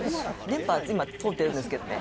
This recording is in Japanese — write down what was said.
電波は今、通ってるんですけどね。